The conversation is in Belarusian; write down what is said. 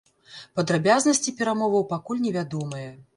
Падрабязнасці перамоваў пакуль невядомыя.